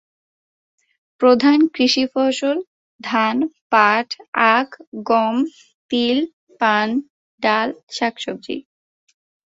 প্রধান কৃষি ফসল ধান, পাট, আখ, গম, তিল, পান, ডাল, শাকসবজি।